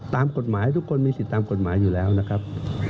ตามกฎหมายทุกคนมีสิทธิ์ตามกฎหมายอยู่แล้วนะครับ